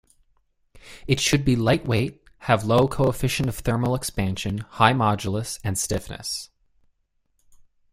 It should be lightweight, have low coefficient of thermal expansion, high modulus and stiffness.